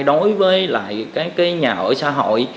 đối với lại cái nhà ở xã hội